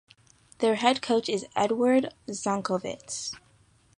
Their head coach is Eduard Zankovets.